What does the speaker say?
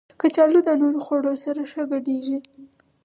کچالو د نورو خوړو سره ښه ګډېږي